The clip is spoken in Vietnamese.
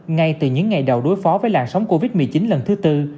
ngay từ những ngày đầu đối phó với làn sóng covid một mươi chín lần thứ tư